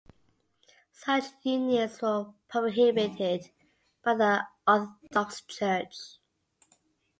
Such unions were prohibited by the Orthodox Church.